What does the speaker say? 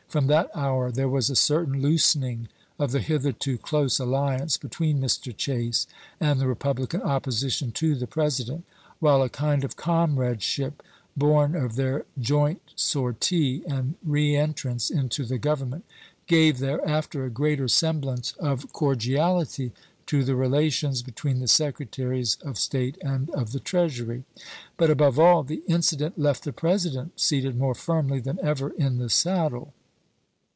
From that hour there was a certain loosening of the hitherto close alliance between Mr. Chase and the Republican opposition to the President, while a kind of comradeship, born of their joint sortie and reentrance into the Govern ment, gave thereafter a greater semblance of cor diality to the relations between the Secretaries of State and of the Treasury. But above all, the inci dent left the President seated more firmly than ever in the saddle.